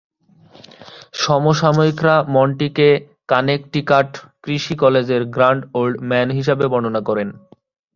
সমসাময়িকরা "মন্টি"কে Connecticut কৃষি কলেজের "grand old man" হিসেবে বর্ণনা করেন।